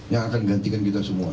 yang akan menggantikan kita semua